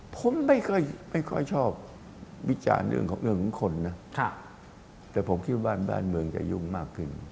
ผมไม่ค่อยชอบวิจารณ์เรื่องของคนนะแต่ผมคิดว่าบ้านเมืองจะยุ่งมากขึ้น